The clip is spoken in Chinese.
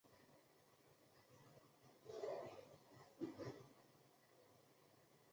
没关系，没事就好